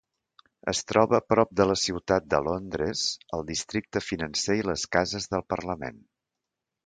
Es troba prop de la ciutat de Londres, el districte financer i les cases del Parlament.